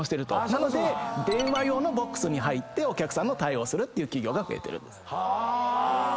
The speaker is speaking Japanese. なので電話用のボックスに入ってお客さんの対応をする企業が増えてる。